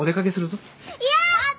やった。